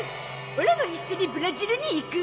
オラも一緒にブラジルに行く！